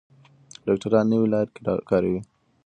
ډاکټران نوې لارې کاروي.